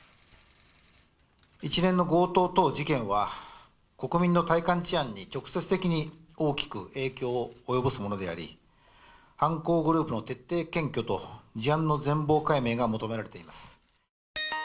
一連の強盗等事件は、国民の体感治安に直接的に大きく影響を及ぼすものであり、犯行グループの徹底検挙と、事案の全貌解明が求められています。